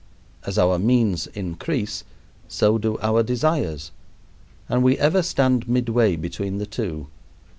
As our means increase, so do our desires; and we ever stand midway between the two.